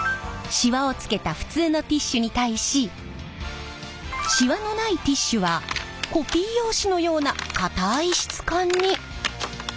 シワをつけた普通のティッシュに対しシワのないティッシュはコピー用紙のような固い質感に。